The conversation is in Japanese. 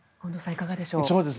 いかがでしょう？